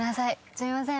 すいません。